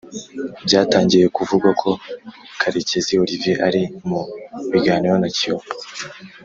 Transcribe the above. Byatangiye kuvugwa ko Karekezi Olivier ari mu biganiro na Kiyovu